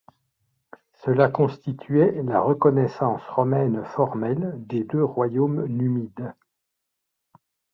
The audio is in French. Cela constituait la reconnaissance romaine formelle des deux royaumes numides.